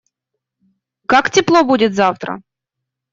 Как тепло будет завтра?